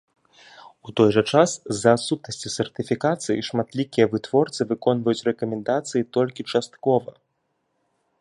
У той жа час, з-за адсутнасці сертыфікацыі шматлікія вытворцы выконваюць рэкамендацыі толькі часткова.